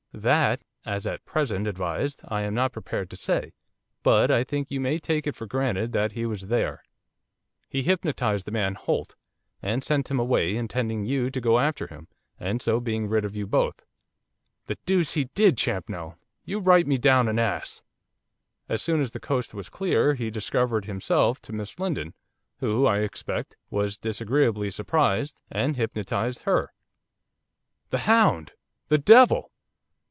'That, as at present advised, I am not prepared to say, but I think you may take it for granted that he was there. He hypnotised the man Holt, and sent him away, intending you to go after him, and so being rid of you both ' 'The deuce he did, Champnell! You write me down an ass!' 'As soon as the coast was clear he discovered himself to Miss Lindon, who, I expect, was disagreeably surprised, and hypnotised her.' 'The hound!' 'The devil!